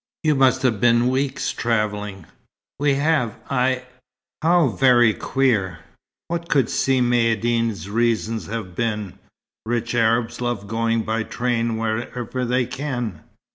You must have been weeks travelling." "We have. I " "How very queer! What could Si Maïeddine's reason have been? Rich Arabs love going by train whenever they can.